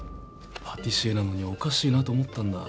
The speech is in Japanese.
パティシエなのにおかしいなと思ったんだ。